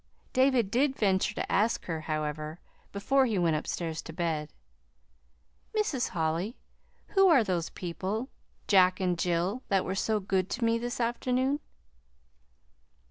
David did venture to ask her, however, before he went upstairs to bed: "Mrs. Holly, who are those people Jack and Jill that were so good to me this afternoon?"